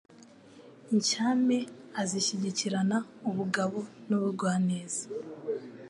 Inshyame azishyigikirana ubugabo n' ubugwaneza